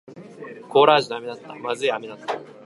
コーラ味の飴だった。不味い飴だった。